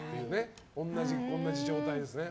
同じ状態ですね。